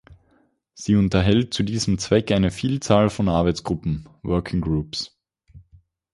Sie unterhält zu diesem Zweck eine Vielzahl von Arbeitsgruppen (Working Groups).